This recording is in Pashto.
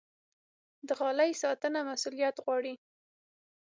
د غالۍ ساتنه مسوولیت غواړي.